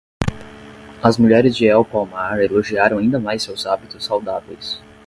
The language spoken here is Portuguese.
As mulheres de El Palmar elogiaram ainda mais seus hábitos saudáveis.